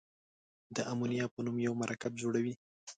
د امونیا په نوم یو مرکب جوړوي.